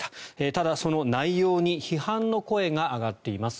ただ、その内容に批判の声が上がっています。